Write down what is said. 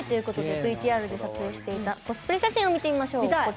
ＶＴＲで撮影していたコスプレ写真を見てみましょう。